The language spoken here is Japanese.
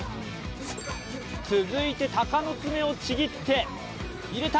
続いて鷹の爪をちぎって入れた。